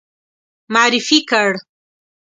معرفي کړ.